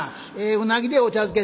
「うなぎでお茶漬け」。